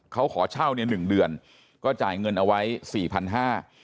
เขาขอเช่าเนี่ยหนึ่งเดือนก็จ่ายเงินเอาไว้สี่พันห้า